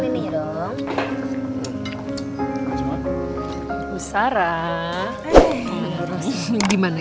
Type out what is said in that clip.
tbafas saya britain daha lama